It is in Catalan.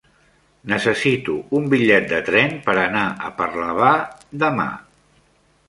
Necessito un bitllet de tren per anar a Parlavà demà.